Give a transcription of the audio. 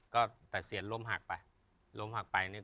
ก็แต่เสียงลมหักไป